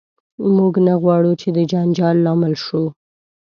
موږ نه غواړو چې د جنجال لامل شو.